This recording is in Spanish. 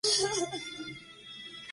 tiene una idea también interesante